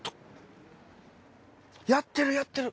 やってるやってる。